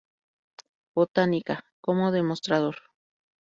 Botánica" como demostrador.